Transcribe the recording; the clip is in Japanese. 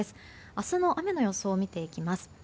明日の雨の予想を見ていきます。